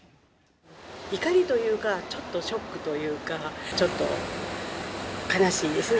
怒りというか、ちょっとショックというか、ちょっと悲しいですね。